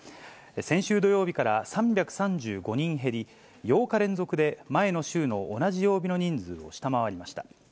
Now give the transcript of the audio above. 先週土曜日から３３５人減り、８日連続で前の週の同じ曜日の人数を下回りました。